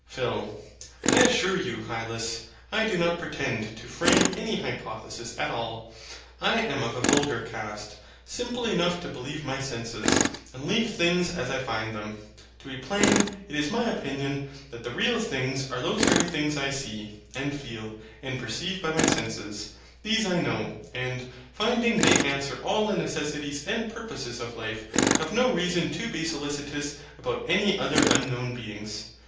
PHIL. I assure you, Hylas, I do not pretend to frame any hypothesis at all. I am of a vulgar cast, simple enough to believe my senses, and leave things as I find them. To be plain, it is my opinion that the real things are those very things I see, and feel, and perceive by my senses. These I know; and, finding they answer all the necessities and purposes of life, have no reason to be solicitous about any other unknown beings.